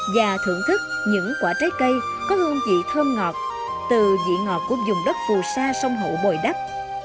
và thưởng thức những quả trái cây có hương vị thơm ngọt từ vị ngọt của dùng đất phù sa sông hậu bồi đắp